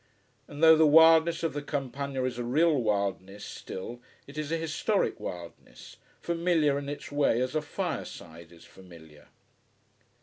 And though the wildness of the Campagna is a real wildness still, it is a historic wildness, familiar in its way as a fireside is familiar.